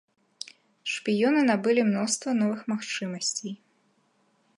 Шпіёны набылі мноства новых магчымасцей.